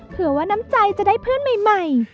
เผื่อว่าน้ำใจจะได้เพื่อนใหม่